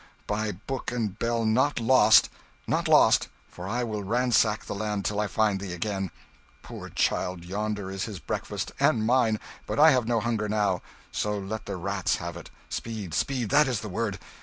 by book and bell, not lost! Not lost, for I will ransack the land till I find thee again. Poor child, yonder is his breakfast and mine, but I have no hunger now; so, let the rats have it speed, speed! that is the word!"